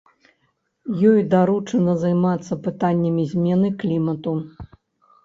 Ёй даручана займацца пытаннямі змены клімату.